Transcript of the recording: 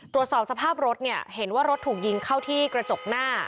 ตรวจสอบสภาพรถเนี่ยเห็นว่ารถถูกยิงเข้าที่กระจกหน้า